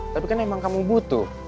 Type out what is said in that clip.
tapi kan emang kamu butuh